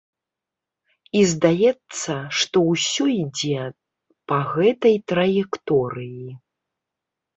І здаецца, што ўсё ідзе па гэтай траекторыі.